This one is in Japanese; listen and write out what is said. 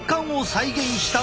再現した。